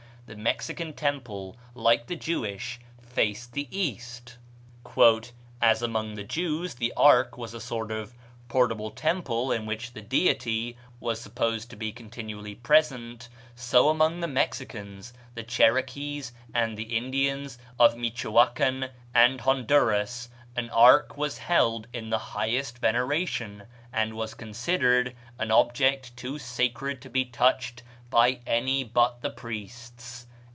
The Mexican temple, like the Jewish, faced the east. "As among the Jews the ark was a sort of portable temple, in which the Deity was supposed to be continually present, so among the Mexicans, the Cherokees, and the Indians of Michoacan and Honduras, an ark was held in the highest veneration, and was considered an object too sacred to be touched by any but the priests."